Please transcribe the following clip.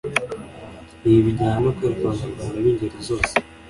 Ibi bijyana no kwereka abanyarwanda b’ingeri zose